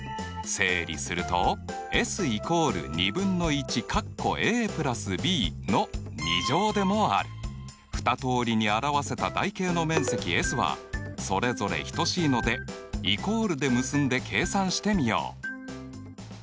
整理すると２通りに表せた台形の面積Ｓはそれぞれ等しいのでイコールで結んで計算してみよう。